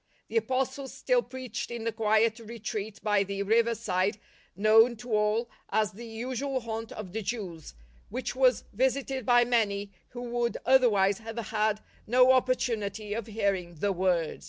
The Apostles still preached in the quiet retreat by the riverside known to all as the usual haunt of the Jews, which was visited by many who w'ould otherwise have had no opportunity of hearing the Word.